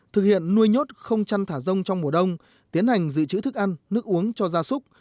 thực hiện nuôi nhốt không chăn thả rông trong mùa đông tiến hành dự trữ thức ăn nước uống cho gia súc